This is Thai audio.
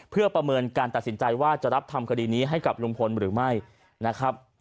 เพื่อประเมินการตัดสินใจว่าจะรับทำคดีนี้ให้กับลุงพลหรือไม่นะครับ